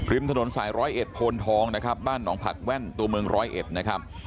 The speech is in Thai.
ถนนสายร้อยเอ็ดโพนทองนะครับบ้านหนองผักแว่นตัวเมืองร้อยเอ็ดนะครับ